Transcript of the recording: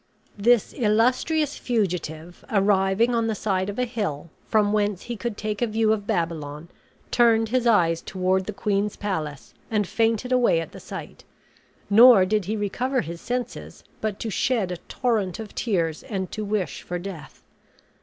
This illustrious fugitive arriving on the side of a hill, from whence he could take a view of Babylon, turned his eyes toward the queen's palace, and fainted away at the sight; nor did he recover his senses but to shed a torrent of tears and to wish for death.